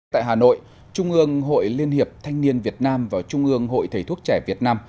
tại hà nội trung ương hội liên hiệp thanh niên việt nam và trung ương hội thầy thuốc trẻ việt nam